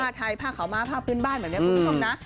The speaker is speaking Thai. ผ้าไทยผ้าขาวม้าผ้าพื้นบ้าน